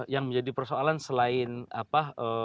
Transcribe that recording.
yang menjadi persoalan selain apa